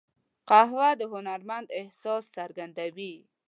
قهوه د هنرمند احساس څرګندوي